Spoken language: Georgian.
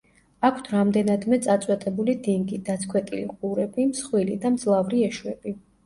აქვთ რამდენადმე წაწვეტებული დინგი, დაცქვეტილი ყურები, მსხვილი და მძლავრი ეშვები.